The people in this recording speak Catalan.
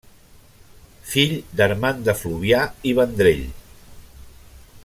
Fill d'Armand de Fluvià i Vendrell.